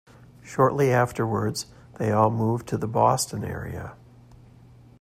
Shortly afterwards, they all moved to the Boston area.